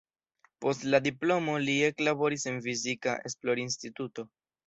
Post la diplomo li eklaboris en fizika esplorinstituto.